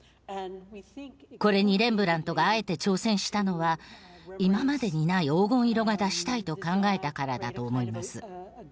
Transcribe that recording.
これにレンブラントがあえて挑戦したのは今までにない黄金色が出したいと考えたからだと思います。